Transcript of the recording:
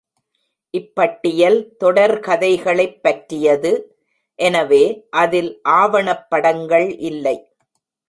இப்பட்டியல் தொடர்கதைகளைப் பற்றியது, எனவே அதில் ஆவணப் படங்கள் இல்லை.